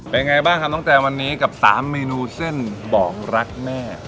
เป็นไงบ้างครับน้องแตนวันนี้กับ๓เมนูเส้นบอกรักแม่